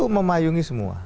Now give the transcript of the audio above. ini itu memayungi semua